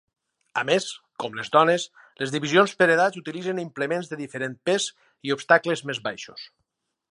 A més, com les dones, les divisions per edats utilitzen implements de diferent pes i obstacles més baixos.